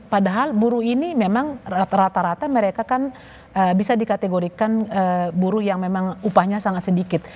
padahal buruh ini memang rata rata mereka kan bisa dikategorikan buruh yang memang upahnya sangat sedikit